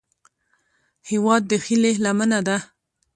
هیواد د هیلې لمنه ده